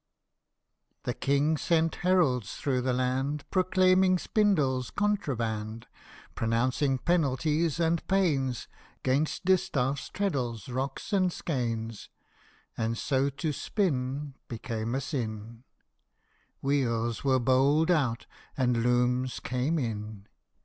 " The King sent heralds through the land Proclaiming spindles contraband, Pronouncing penalties and pains 'Gainst distaffs, treadles, rocks, and skeins. And so to spin Became a sin ; Wheels were bowled out, and looms came in.